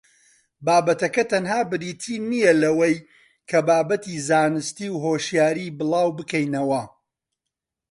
بابەتەکە تەنها بریتی نییە لەوەی کە بابەتی زانستی و هۆشیاری بڵاوبکەینەوە